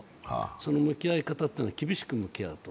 その向き合い方というのは、厳しく向き合うと。